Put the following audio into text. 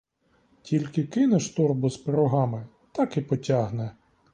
Тільки кинеш торбу з пирогами — так і потягне.